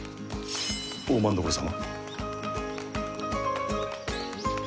大政所様。